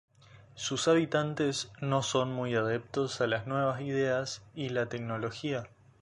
Sus habitantes no son muy adeptos a las nuevas ideas y la tecnología.